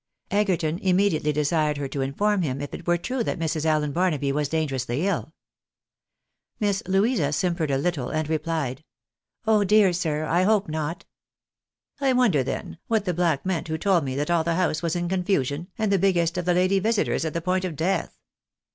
212 THE BARNABYS IN AMERICA. Egerton immediately desired her to inform him if it were true that Mrs. Allen Barnaby was dangerously ill. Miss Louisa sim pered a little, and replied —" Oh dear, sir, I hope not." " I wonder, then, what the black meant who told me that all the house was in confusion, and the biggest of the lady visitors at the point of death."